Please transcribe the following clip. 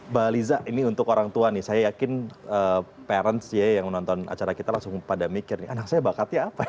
mbak liza ini untuk orang tua nih saya yakin parents ya yang menonton acara kita langsung pada mikir nih anak saya bakatnya apa ya